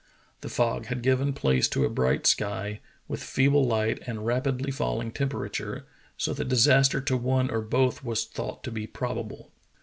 The fog had given place to a bright sky, with feeble light and rapidly falling temperature, so that disaster to one or both was thought to be probable.